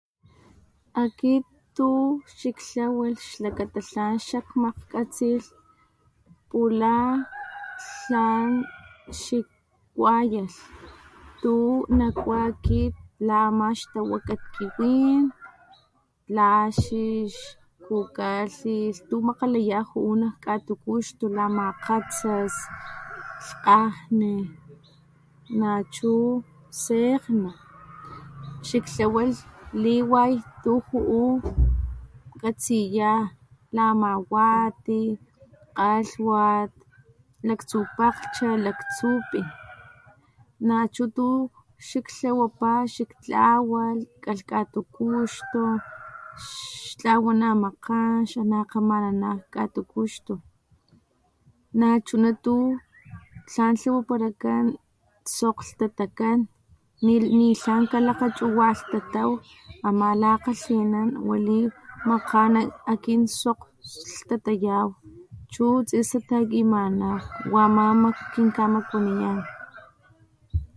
Akit tu xiktlawalh xlakata tlan xakmakgkatsilh; pula tlan xikuayalh tu nakua akit la ama xtawakat kiwin, laxix, kukatlilh tumakgalaya ju'u nak katukuxtu lama kgatsas, lhkgajne nachu sekgna xiktlawalh liway tu ju'u katsiya lama wati, kgalhwat, latsu pakglhcha, laktsu pin nachu tu xaktlawapa xiktlawalh, kalh nak katukuxtu xtlawana makgan xana kgamanan nak katukuxtu nachuna tu tlan tlawapalakan sokg lhtatakan nitlan kalakgachuwalhtataw ama lakgalhinan wali makgan akin sokg lhtatayaw chu tsisa takimanaw wa ama kinkamakuaniyan.